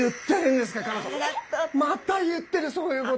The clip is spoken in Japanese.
また言ってるそういうこと！？